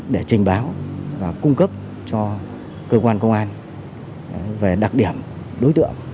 để trình báo và cung cấp cho cơ quan công an về đặc điểm đối tượng